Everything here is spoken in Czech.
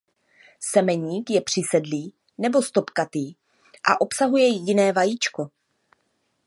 Semeník je přisedlý nebo stopkatý a obsahuje jediné vajíčko.